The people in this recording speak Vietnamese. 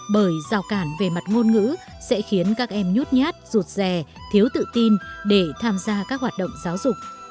bởi rào cản về mặt ngôn ngữ sẽ khiến các em nhút nhát rụt rè thiếu tự tin để tham gia các hoạt động giáo dục